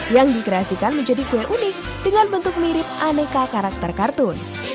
yang dikreasikan menjadi kue unik dengan bentuk mirip aneka karakter kartun